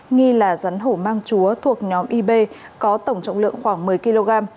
nghi là rắn hổ mang chúa thuộc nhóm ib có tổng trọng lượng khoảng một mươi kg